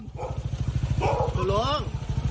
สุดลง